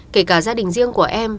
kể cả gia đình riêng của em